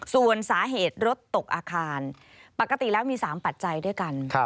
ส่วนสาเหตุรถตกอาคารปกติแล้วมี๓ปัจจัยด้วยกัน